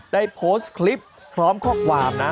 ได้โพสต์คลิปพร้อมข้อความนะ